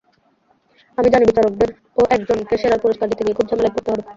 আমি জানি বিচারকদেরও একজনকে সেরার পুরস্কার দিতে গিয়ে খুব ঝামেলায় পড়তে হবে।